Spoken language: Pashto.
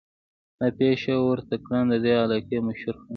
دا پېشه ور ترکاڼ د دې علاقې مشهور خان